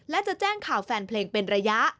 และจะแจ้งข่าวแฟนเพลงเป็นระยะ